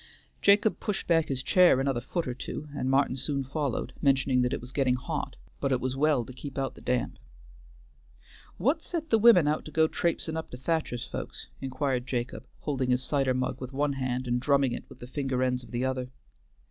Jacob pushed back his chair another foot or two, and Martin soon followed, mentioning that it was getting hot, but it was well to keep out the damp. "What set the women out to go traipsin' up to Thacher's folks?" inquired Jacob, holding his cider mug with one hand and drumming it with the finger ends of the other.